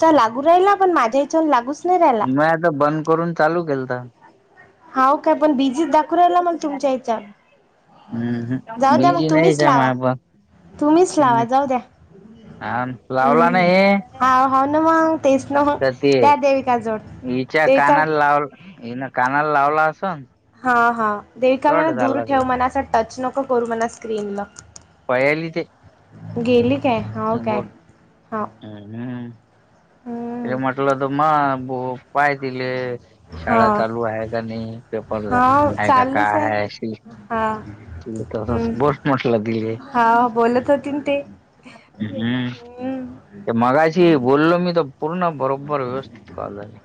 चा लागू राहिला पण माझ्या हिच्या वरून लागूच नाही राहिला मग आता बंद करून चालू केलता. हा काय पण बीजी दाखवून राहीला मगं तुमच्या इथ. हम्म जाऊ द्या मग, बिजी नाहीच तुम्हीच आहे लावा माय पण तुम्हीच लावा जाऊ द्या. अ लावला नाही हे. हा हो ना मग तेच नव्ह. तर ते द्या देविका जोड देविका ये ना कानाला लावला होता. हा हा देविका म्हण दूर ठेव. ते म्हणा चा टच नक करू मला स्क्रीनला पयाली ते गेली काय. हो काय. हां. ह हम. ते म्हटलं दमाको पाय दिले. शाळा हा चालू आहे. का नाही पेपरला हाव आहे का का चालूच आहे. हा तेवढंच हम्म बोट म्हटलं देईल. हा बोलत होती ना ते हम्म मगाशी हम्म बोललो. मी तर पूर्ण बरोबर व्यवस्थित झाले.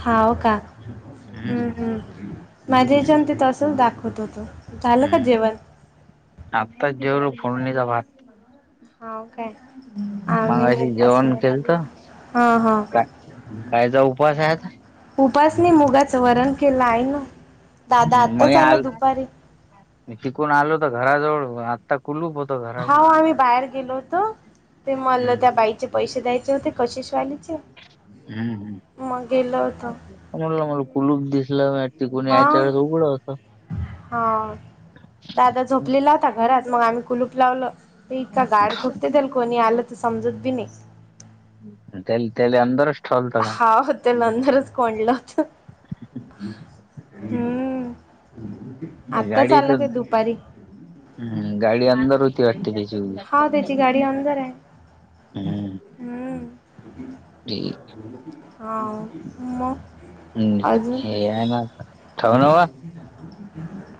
हाव, का हम्म हम्म. माझ्या हिच्यातून ते तसंच दाखवत होतो. झालं का हम्म जेवण? आत्ताच जेवलो फोडणीचा भात. हाव काय. आम्ही मगशी जेवण मुगाचं केलत हा हा काय. कायचा उपवास आहे. उपवास नाही. मुगाचं वरण केलं आहे ना. दादा हम् आत्ताच मय आला आल. दुपारी तिकडून आलो होतो घराजवळ आत्ता कुलूप होत. घर हो, आम्ही बाहेर गेलो होतो. ते मलं हम्म, त्या बाईक चे पैसे द्यायचे होते. कसे शवालीचे मग गेलं होतो. म्हटलं, मला कुलूप दिसल नाही. तर कोणी यायच्या हा वेळी उघड होत. हा दादा झोपलेला घरात मग आम्ही कुलूप लावलं. तर इतका गाढ झोपतेती. कोणी आलं तर समजत बी नाही. तेल तेल अंदर अस हा हो त्या नंतरच कोणलं. हम्म, आताच गाडी आलं तर ते दुपारी. हम्म, गाडी अंदर होती वाटते त्याची व हा त्याची गाडी अंदर आहे हम्म. [unintelligible] हो, हे आहे ना मगं. ठेव ना आजुन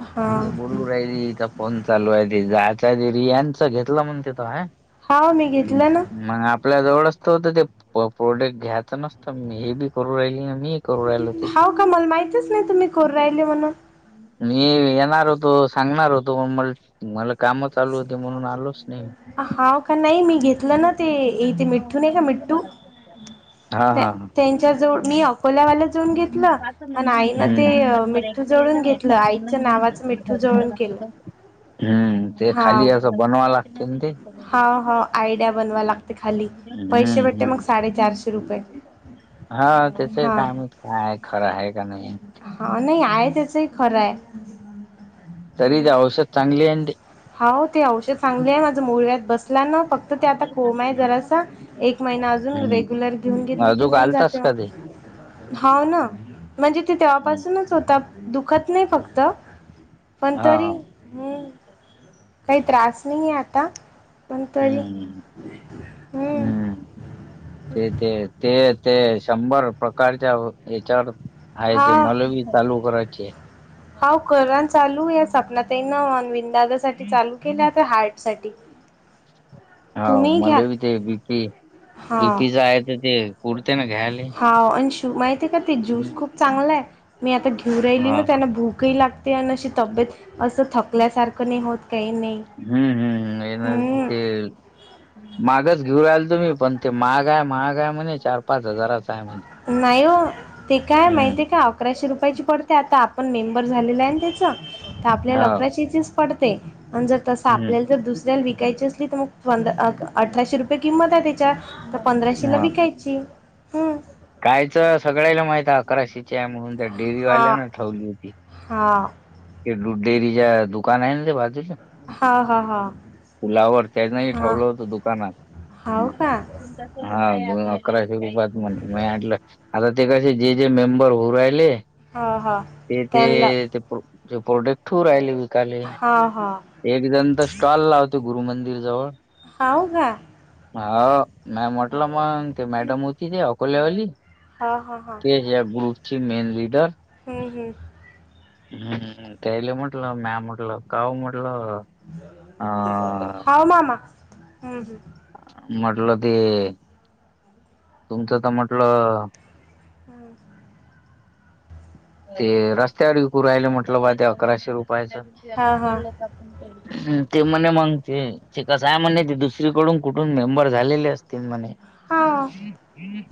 बोलू राहिलचा फोन चालू आहे त जायचा ते रियाच घेतला म्हणते तो हा होा मी घेतलं ना मग आपल्या जवळचत होत ते प्रोडक्ट घ्यायचं नसतं हे बी करू राहिल मी करू राहिलो त्याच्या हाव का मला माहितच नाही तुम्ही कोर राहिले म्हणून मी येणार होतो सांगणार होतो म मला काम चालू होती म्हणून आलोच नाही हा का नाही मी घेतलं ना ते इथे मिठठू नाही का मिठठू हा हा हा त्यांच्या जवळ मी खोल्यावाला जळून घेतलं मण आईनं ते हम्म. मिठू जोडून घेतलं नाही आईच्या नावाचं मिठू हम्म ते खाली असं बनवा लागते ते हा हा आयडिया बनवा लागते खाली हम्म पैसे भेटते हम्म. मग साडेचारशे रुपये हा त्याच हा कामच का आहे खरं आहे का नाही हा नाही आहे त्याचही खरं आहे तरी ते औषध चांगली अी हा ते औषध चांगलेय माझा मुळग्यात बसला ना फक्त तर ते आता कोम आहे जरासा एक महिना अजून हम्म रेग्युलर घेऊन घेतले क अजूक होऊन आलतास जाते का ते हो ना म्हणजे ते तेव्हापासूनच होता दुखत नाही फक्त पण हा हा तरी काही त्रास नाही आहे आता पण तरी हम्म हम्म ते ते ते ते शंभर प्रकारच्या याच्यावर हा ते मलावीी चालू करायचे हावराण चालू आहे सपना त नान विन दादा साठी चालू केल्याता हार्ट साठी होा तुम्ही घ्या मले बी ते बीपी बीपीच आहे तर ते कुडते ना घ्या हा आणि श माहिती आहे का ते ज्यूस हम्म. खूप चांगला आहे मी आता घेऊ राहिली हा ना त्यांना भूकही लागते आणि अशी तब्येत असं थक चकल्यासारखं नाही होत काही नाही हम्म हम्म एनर्जी ते मागच घेऊ राल तुम्ही पण ते माहाग आहे महाग आहे म्हणे चार पाच हजाराचा आहे म्हणे नाही हो ते काय माहिती हम्म आहे का अकराशे रुपयाची पडते आता आपण मेंबर झालेला आहे तेच आपल्याला हो लक्या पड जर तस हम्म आपल्याला दुस विकायची असली तर मग पंधरा अठराशे रुपये किंमत आहे त्याच्या तर पंधराशेला हा विकायची हम्म कायच सगळ्याला माहित आहे अकराशेच्या आहे म्हणून त्या हा डेअरीवाल्यान ठेवली होती हा डेअरीच्या दुकान आहे ते बाजूच्या हा हा हा पुलावर त्यानाही हा ठेवलं होत दुकानात हाव का हा अकराशरात म म आता ते कसे जे जे मेंबर होऊ राहिले हा हा ते ते त्यांना ते ज प्रोडक्ट ठूर राहिले विकाले ह हा एक जण तर स्टॉल लावते गुरुमंदिर जवळ होव का हो म म्हटलं मग ते मॅडम होती ते अकोल्यावाली हा हा हा ते या ग्रुपची मेन लिडर हम्म हम् हम्म तैले म्हटलं मॅ म्हटलं काऊ म्हटलं अ हा ममा हम्म हम्म म्हटलं ते तुमचं तर म्हटलं हम्म ते रस्त्यावर विकू राहील म्हटलं बा ते अकराशे रुपयाच. हा हा ह ते म्हणे मग ते ते कसंय म्हण ते दुसरीकडून कुठून मेंबर झालेले असतील म्हणे. हा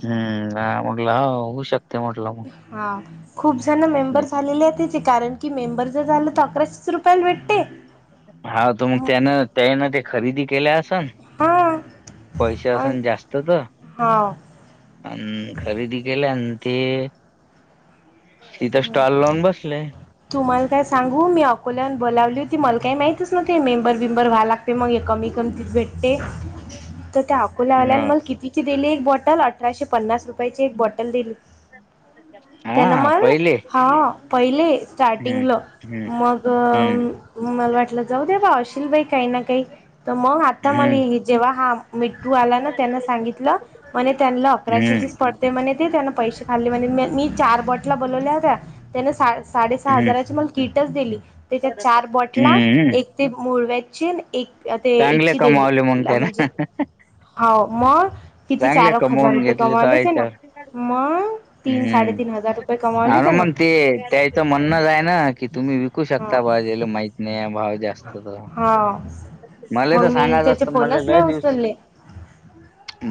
हम्म म्हटलं होऊ शकते म्हटलं मग. हा खूप जण मेंबर झालेले आहेत त्याचे कारण की मेंबर जर झालं तर [unintelligible] रुपयाल भेटते? हा तर मग त्यान त्यान ते खरेदी केल्या असेल. हा पैसे हा अन असन जास्तत. हाव अ खरेदी केल्या आणि ते. इथं स्टॉल लावून बसले. तुम्हाला काय सांगू मी अकोल्यान बोवली होती मला काही माहितच न्हवती ते मेंबर बंबर व्हा लागत. ते मग कमी किमतीत भेटते तर त्या कुलावल्यान ह मग कितीची दिली एक बॉटल अठराशे पन्नास रुपयाची एक बॉटल दिली. हा पहिले! हां पहिले हम्म स्टार्टिंगलं हम्म मग. हम्म. मला वाटलं जाऊ दे बा अशील बाई काही ना काही तर मग आता हम्म मला जेव्हा हा मिटठू आला ना, त्यांना सांगितलं म्हणे त्यांना हम्म अकराशेचीच पडते म्हणे, ते त्यांना पैसे खाल्ले म्हणे. मी चार बॉटला बनवल्या होत्या. त्याने सा साडे सहा हम्म हजाराची मला किटच दिली, त्याच्या चार बॉटला, हम्म एक ते मुळव्यादचे, एक ते चांगले याची देली कमावले मग तिला त्यान म्हणजे हो मग किती चार चांगले एक हजार कमवून रुपये घेतले तर कमावलेच आहे ना. याच्यावर मग तीन साडेतीन हजार रुपये हम्म कमावलेत. मग अर म्हणते त्याच म्हणणं आहे नां. तुम्ही विकू हा शकता भाउजीला भाऊ माहित नाही जास्त हा मला मग तर मी सांगायचं त्याचे असतं, मले फोनच लय नाही दिवस उचलले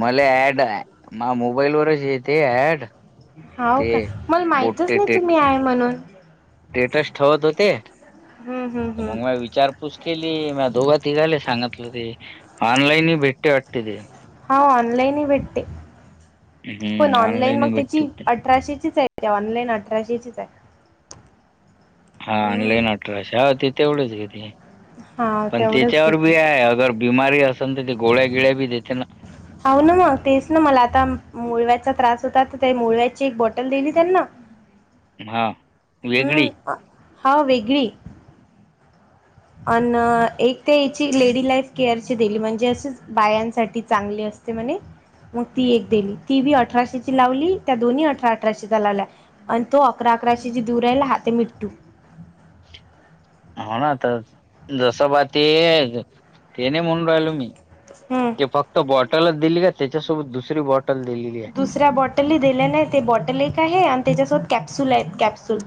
मले ॲड ये, मले मोबाईलवरच येते ॲड हाव का? मला माहितच नाही, टेट तुम्ही हा म्हणून स्टेटस ठेवत होते, हम्म हम्म तर मग म हम्म विचार तूच केली. म दोघा तिघाले सांगितलं. ते ऑनलाईन ही भेटते वाटते ते हा ऑनलईन भेटते. पण हम्म ऑनलाईन मग त्याची भेटते अठराशेचीच आहे ऑनलाईन अठराशेचीच आहे हा हम्म ऑनलाईन अठराश हो ते तेवढंच घेते हा पण तेवढंच त्याच्यावर घेते बी आहे अगर बिमारी असन ते गोळ्या गिळ्या बी देेते ना. हाव ना मग तेच ना मला आता मुळव्यादचा त्रास होता तर ते मुळव्यादची एक बॉटल दिली त्यांना हा वेगळी हा हा वेगळी अन.. एक ते याची लेडी लाईफ केअरची दिली, म्हणजे असच बायांसाठी चांगली अस ते मने मग ती एक दिली. ती बी अठराशेची लावली. त्या दोन्ही अठरा अठराशेचा लावल्या. आण तो अकरा अकराशेची देवू राहिला हा ते मिठठू हो ना, तर जसं ब ते ते नाही म्हणून राहिलो मी हम ते फक्त बॉटलच दिली आहे. त्याच्यासोबत दुसरी बॉटल दिलेली आहे. दुसऱ्या बॉटलही दिले नाही. ते बॉटल एक आहे आणि त्याच्यासोबत कॅप्सूल आहेत, कॅप्सूल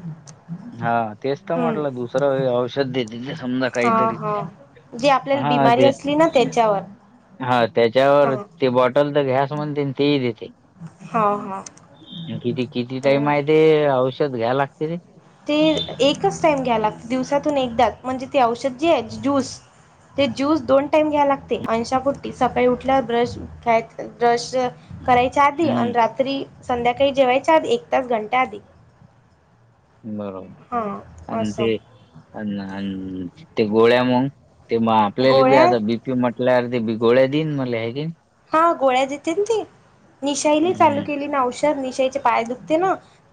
हा, तेच तर हम्म म्हटलं. दुसरं औषध देतील. समजा हा काहीतरी हा जी आपल्याला हा बिमारी दे असली ना त्याच्यावर हा त्याच्यावर हा ते बॉटल तर घ्याच म्हणते, तेही देते. ह, हा किती किती टाइम हम्म आहे? ते औषध घ्याय लागते रे ते एकच टाइम घ्या लागते. दिवसातून एकदाच. म्हणजे ते औषध जे आहे, ज्यूस ते ज्यूस दोन टाइम घ्याय लागते. अंनुशापोटी सकाळी उठल्या, ब्रश ख्याय, ब्रश करायच्या आधी आणि हं, रात्री संध्याकाळी जेवायच्या आधी, एक तास घंटा आधी हा बरोबर. आण असं ते, आण आण ते गोळ्या मग तेव्हा आपल्याला बी गोळ्या आता बीपी म्हटल्या वरती बी गोळ्या देईन मला हे घे हा, गोळ्या देते. ते निशाईली चालू हम्म केली ना, औषर निशाईचे पाय दुख ते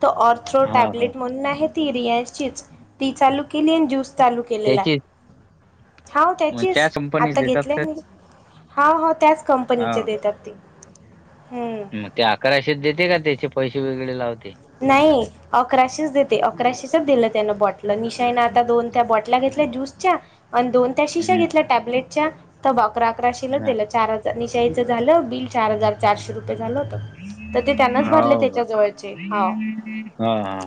तर ऑर्थ्रो हा हा टॅबलेट म्हणून आहे ती रियांशिच ती चालू केली ज्यूस चालू केलेला त्याची आहे हाव मग त्याचीच त्याच कंपनीच आता देतात घेतल्या का मी. हा हा त्याच हा कंपनीचे देत्यात ते हम्म. मग ते अकराशेत देते का त्याचे पैसे वेगळे लावते? नाही. अकराशेच देते अकराशेचच दिलं त्यान बॉटला निशाईने आता दोन त्या बॉटल्या घेतल्या ज्यूसच्या अन् दोन त्या शिश्या हम्म घेतल्या टॅब्लेटच्या तर अकरा अकराशेलाच दिल्या चार तनिशाईचं झालं बिल चार हजार चारशे रुपये झालं तर ते त्यांनाच भरले त्याच्या जवळचे ह हाव हा हा.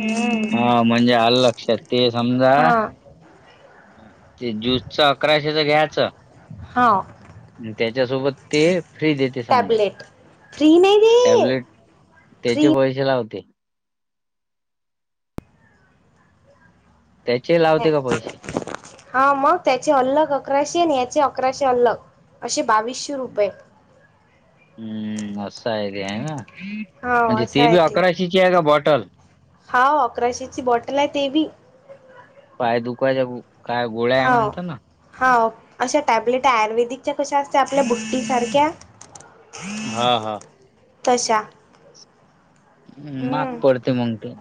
हम्म हा म्हणजे आलं लक्षात ते समजा हा ते ज्यूसच अकराशेच घ्यायचं. हा त्याच्यासोबत ते फ्री देते समजा. टॅबलेट फ्री नाही दे टॅबलेट, त्याचे फ्री पैसे लावते. त्याचेही लावते का पैसे? हा मग त्याचे अलग अकराशे आणि याचे अकराशे अलग असे बावीसशे रुपये. हम्म असं आहे ते आहे ना, हाव म्हणजे असं ते बी आहे अकरा सि आहे का बॉटल? हाव, अकराशे ची बॉटल आहे ते बी. पाय दुखवायच्या, काय गोळ्या आहे हाव म्हणतात ना? हाव, अशा टॅबलेट आयुर्वेदिकच्या कशा असत आपल्या बुट्टी सारख्या? हा हा तशा. हम् महाग हम्म पडती मग ते.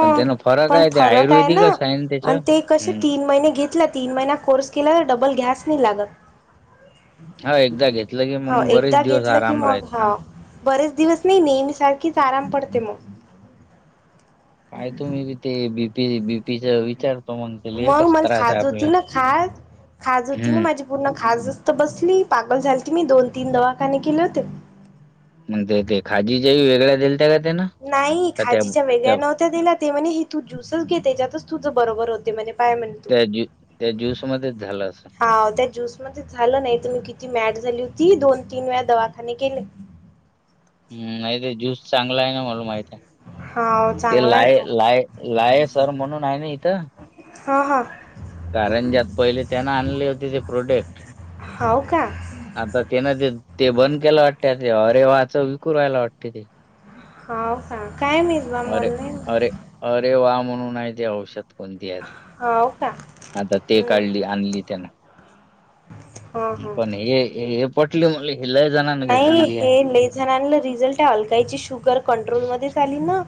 पण त्यान फरक पण आहे ते फरक हाय ना आयुर्वेदिकच आहे त्याच्या आणि ते कसे हम्म तिन महिने घेतल्या आणि तीन महिन्यांत कोर्स केलाय डबल गॅस नाही लागत हा एकदा घेतलं की हा मग बरेच एकदा दिवस घेतलं आराम राहत मग हा बरेच दिवस नी नेमी सारखीच आराम पडते म. काय तुम्ही बी ते बीपी बीपीचा विचार मग मला खाज होती ना खाज खाज होती ना हम्म माझ्या पूर्ण खासजस्त बसली पागल झाली त मी दोन तीन दवाखाने केले होते. मग ते ते खाजीच्या वेगळ्या दिलत का तेना? नाही खाजीच्या वेगळ्या नव्हत्या दिला ते म्हणे, तू ज्यूस घे त्याच्यातच तुझ बरोबर होते म्हणे. पाय म्हणे तू त्या ज्यू त्या ज्यूसमध्येच झालं असं. हा त्या ज्यूस मध्ये झालं, नाही तर मी किती मॅड झाली होती दोन तीन वेळा दवाखाने केले. हम् नाही ते ज्यूस चांगला आहे ना मला माहित आहे. हाव ते चांगला आहे लाय तो लाय लायसर म्हणून आहे ना इथं. हा हा. कारण ज्यात पहिले त्यान आणले होते ते प्रोडक्ट. हाव का आता ते ना ते ते बंद केलं वाटते ते अरे वाच विकू वहायला वाटते ते. ह का काय माहीत. अरे अरे अरे वा म्हणून आहे ते औषध कोणती हाव का आता, ते हम्म काढली आणली त्यांना. हा हा पण हे हे पटल म्हटले हे लय जाणणे घेतलेली आहे. जण रिझल्ट अलकाई शुगर कंट्रोल मध्ये झाली ना.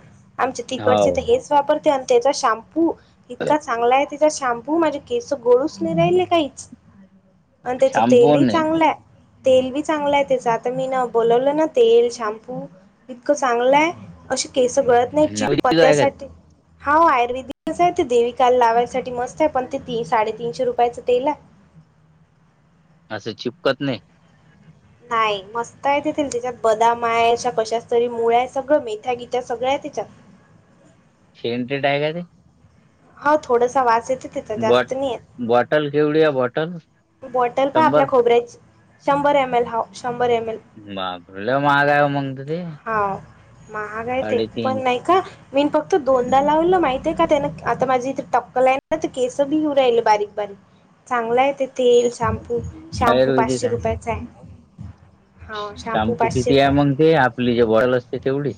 आमचे तिकडचे हो तर हेच वापरते आणि त्याचा शॅम्पू इतका चांगला आहे. [unintelligible] शॅम्पू माझ केस गोळूस नाही राहिलले काहीच. आणि त्याच शॅम्पू तेलही नाही चांगलं आहे तेल बी चांगला आहे त्याच आता मी ना बोलवलं ना तेल शॅम्पू इतकं चांगलंय असं केस गळत नाही नाविक आहे का ते? चटपत्यासाठी हा आयुर्वेदिकच आहे ते. देविकाला लावायसाठी मस्त आहे पण ते ती साडेतीनशे रुपयाचं तेल आहे. असं चिपकत नाही? नाही मस्त आहे ते तेल. त्याच्यात बदाम आहे. अशा कशाच तरी मुळ्या आहे सगळं मेथ्या गीथ्या सगळ्या आहे त्याच्यात. सेंटेड आहे का ते? हा थोडासा वास येतो त्याचा ते बॉट जास्त नाही येत. बॉटल केवढी आहे बॉटल? बॉटल का आपल्या शंभर खोबऱ्याची शंभर एम एल हाव शंभर एम एल. बापरे लई महाग आहे मग तर ते. हा महागाय ते पण साडेतीन नाही का मी फक्त दोनदा लावल माहिते का त्यान, आता माझी इथे टक्कल आहे ना तर केस बी येऊन राहिले बारीक बारीक. चांगलं आहे ते तेल, शॅम्पू, बाहेर शॅम्पू वेगळीच पाचशे रुपयाचा आहे. शॅम्पू किती आहे मग ते? आपली जे बॉटल असते तेवढी?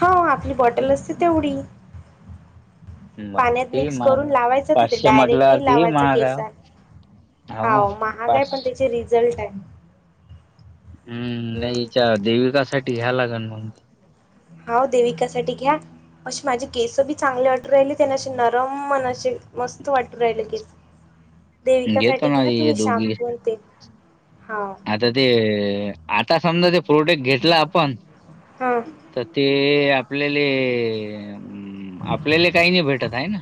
हा आपली बॉटल असते तेवढी. बापरे पाण्यात ते मिक्स महाग करून आहे. लावायच तिथे पाचशे डायरेक्ट म्हटल्यावर नाही ते लावायचा महाग आहे केसांना. ना हाव महाग आहे पाच पण त्याचे रिझल्ट आहे. हम्म नाही ईच्या देविका साठी घ्यायला लागण मग. हाव देविका साठी घ्या. अशे माझे केस बी चांगले वाटू राहिले त्यांन अशे नरम अन असे मस्त वाटू राहिले केस [inaudible] देविका साठी घेतो ना घ्या हे तुम्ही दोघी शाम्पू ते हाव. आता ते आता समजा ते प्रोडक्ट घेतला आपण हां. तर ते आपल्याले आपल्याला काही नाही भेटत हाय ना?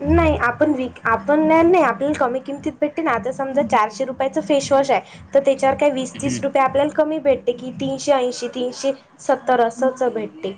नाही आपण विक आपण [unintelligible] नाही आपल्याला कमी किमतीत भेटते ना, आता समजा चारशे रुपयाच फेशवॉश आहे. तर त्याच्यावर काय वीस हम्म तीस रुपये आपल्याला कमी भेटते की तीनशे ऐंशी तीनशे सत्तर असचं भेटते.